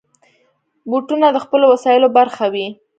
بوټونه د خپلو وسایلو برخه وي.